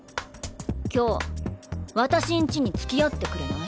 今日私ん家につき合ってくれない？